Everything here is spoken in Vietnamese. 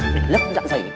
để lấp dạng giày